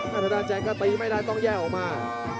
ถ้าได้จะก็ตีไม่สามารถตองแย่ออกมา